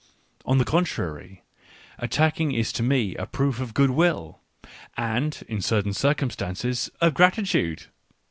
On the contrary, attacking is to me a proof of goodwill and, in certain circumstances, of gratitude.